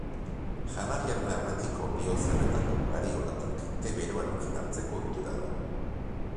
Janariaren aurretik olioz erretako gari-olatak te beroarekin hartzeko ohitura dago.